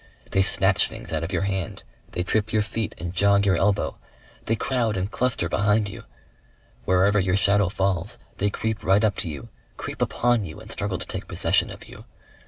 They snatch things out of your hand, they trip your feet and jog your elbow. They crowd and cluster behind you. Wherever your shadow falls, they creep right up to you, creep upon you and struggle to take possession of you.